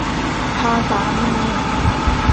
ภาษามือ